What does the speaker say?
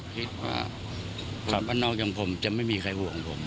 คิดว่าความบ้านนอกอย่างผมจะไม่มีใครห่วงผม